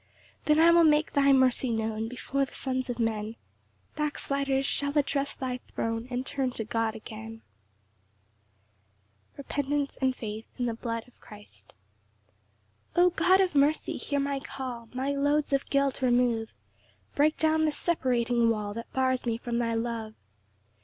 7 Then will I make thy mercy known Before the sons of men; Backsliders shall address thy throne, And turn to God again. Psalm 51:5. 14 17. Second Part. C. M. Repentance and faith in the blood of Christ. 1 O God of mercy! hear my call, My loads of guilt remove; Break down this separating wall That bars me from thy love.